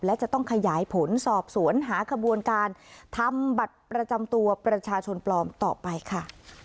และจะต้องขยายผลสอบสวนหาขบวนการทำบัตรประจำตัวประชาชนปลอมต่อไปค่ะ